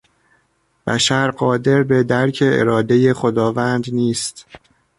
بشر قادر به درک ارادهی خداوند نیست.